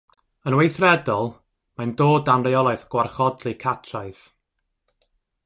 Yn weithredol, mae'n dod dan reolaeth Gwarchodlu Catraeth.